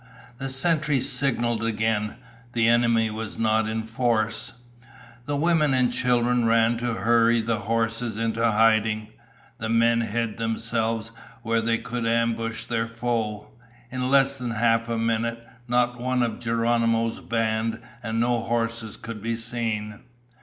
The sentry signaled again, the enemy was not in force. The women and children ran to hurry the horses into hiding. The men hid themselves where they could ambush their foe. In less than a half minute, not one of Geronimo's band and no horses could be seen.